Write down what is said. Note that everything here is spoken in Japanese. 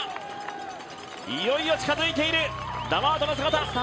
いよいよ近づいているダマートの姿。